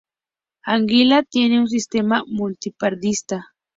Anguila tiene un sistema multipartidista.